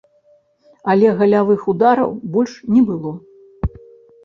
Але галявых удараў больш не было.